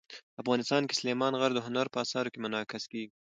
افغانستان کې سلیمان غر د هنر په اثار کې منعکس کېږي.